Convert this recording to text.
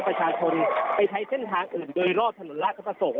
ประชาชนไปใช้อื่นใช้ทางอื่นโดยรอดจุดศาลราชประสงค์